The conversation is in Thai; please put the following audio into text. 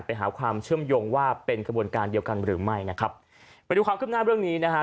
ไปหาความเชื่อมโยงว่าเป็นขบวนการเดียวกันหรือไม่นะครับไปดูความคืบหน้าเรื่องนี้นะฮะ